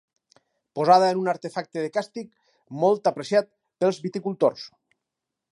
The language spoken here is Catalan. Posada en un artefacte de càstig molt apreciat pels viticultors.